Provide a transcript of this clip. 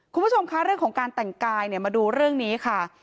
คุณผู้ชมคะเรื่องของการแต่งกายเนี่ยมาดูเรื่องนี้ค่ะ